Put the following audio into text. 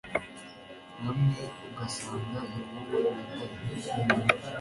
ramwe ugasanga niwowe wigaye